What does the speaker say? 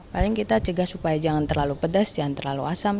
paling kita cegah supaya jangan terlalu pedas jangan terlalu asam